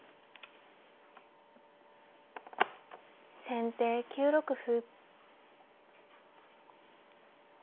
先手９六歩。